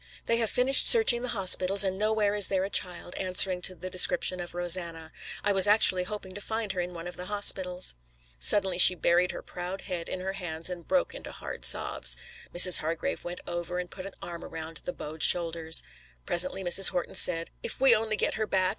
"They have finished searching the hospitals, and nowhere is there a child answering to the description of Rosanna. I was actually hoping to find her in one of the hospitals." Suddenly she buried her proud head in her hands and broke into hard sobs. Mrs. Hargrave went over and put an arm around the bowed shoulders. Presently Mrs. Horton said: "If we only get her back!